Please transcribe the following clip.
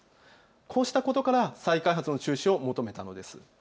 こうしたことから再開発の中止を求めたのです。